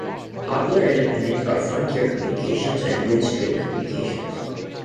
Popular independents are Frontier Communications, and Windstream Communications.